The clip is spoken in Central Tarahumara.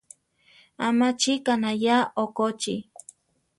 ¿A machi kanayéa okochí?